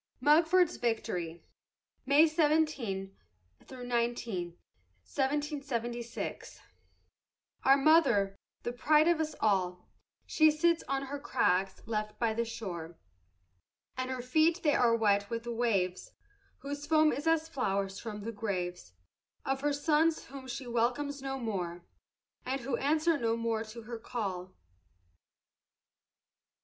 MUGFORD'S VICTORY [May 17 19, 1776] Our mother, the pride of us all, She sits on her crags by the shore, And her feet they are wet with the waves Whose foam is as flowers from the graves Of her sons whom she welcomes no more, And who answer no more to her call.